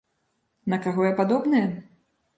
На каго я падобная?